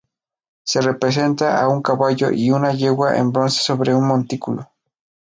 Se representa a un caballo y una yegua en bronce sobre un montículo.